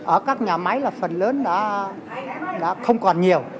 ở các nhà máy là phần lớn đã không còn nhiều